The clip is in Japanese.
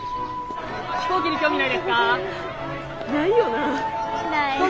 飛行機に興味ないですか？